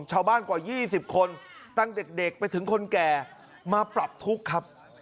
ชาวบ้านกว่า๒๐คนตั้งเด็กไปถึงคนแก่มาปรับทุกข์ครับ